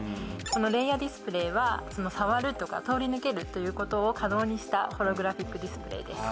このレイアディスプレイは触るとか通り抜けるということを可能にしたホログラフィックディスプレイです